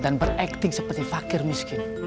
dan berakting seperti fakir miskin